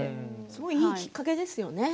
すごくいいきっかけですよね。